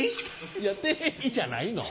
いや「テレビ！？」じゃないの。